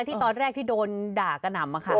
ที่ตอนแรกที่โดนด่ากระหน่ำ